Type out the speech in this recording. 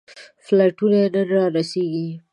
فلایټونه یې نن رارسېږي.